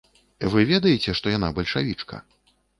Вы ведаеце, што яна бальшавічка?